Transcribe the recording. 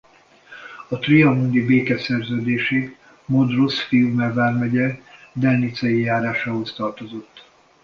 A trianoni békeszerződésig Modrus-Fiume vármegye Delnicei járásához tartozott.